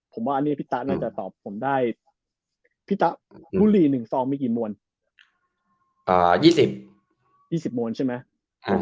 ผมว่าอันนี้พี่ต๊าอาจจะตอบผมได้พี่ต๊ากุลลี๑ซองมีกี่โมน๒๐โมนใช่ไหมโอเค